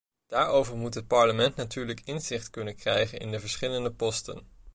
Daarvoor moet het parlement natuurlijk inzicht kunnen krijgen in de verschillende posten.